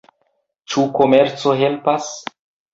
Ĉu komerco helpas?